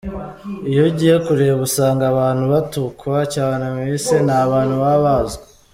Iyo ugiye kureba usanga abantu batukwa cyane mu isi ni abantu baba bazwi.